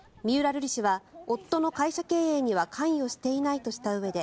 瑠麗氏は、夫の会社経営には関与していないとしたうえで